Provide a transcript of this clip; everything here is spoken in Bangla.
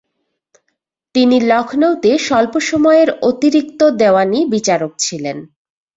তিনি লখনউতে স্বল্প সময়ের অতিরিক্ত দেওয়ানী বিচারক ছিলেন।